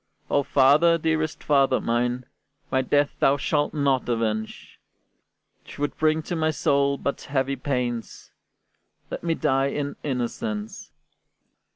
"O father, dearest father mine! My death thou shalt not avenge: 'Twould bring to my soul but heavy pains; Let me die in innocence.